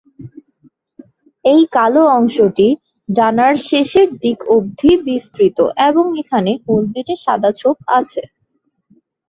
এই কালো অংশটি ডানার শেষের দিক অবধি বিস্তৃত এবং এখানে হলদেটে সাদা ছোপ আছে।